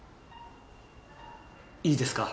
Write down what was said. いいですか？